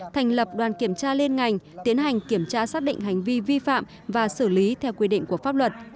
thành lập đoàn kiểm tra liên ngành tiến hành kiểm tra xác định hành vi vi phạm và xử lý theo quy định của pháp luật